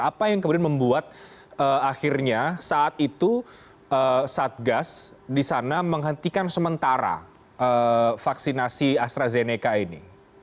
apa yang kemudian membuat akhirnya saat itu satgas di sana menghentikan sementara vaksinasi astrazeneca ini